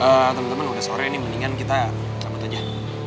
ehm temen temen udah sore ini mendingan kita berbicara